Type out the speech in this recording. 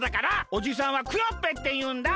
おじさんはクヨッペンっていうんだ。